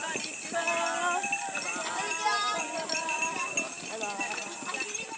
こんにちは。